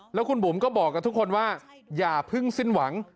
แล้วคุณบุ๋มก็บอกกับทุกคนว่าอย่าเพิ่งสิ้นหวัง